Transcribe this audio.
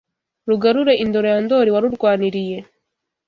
Rugarure indoro ya Ndori warurwaniriye